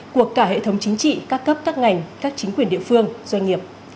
của cả hệ thống chính trị các cấp các ngành các chính quyền địa phương doanh nghiệp